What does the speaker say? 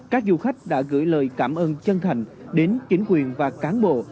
các du khách đã gửi lời cảm ơn chân thành đến chính quyền và cán bộ